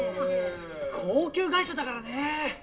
高級外車だからね。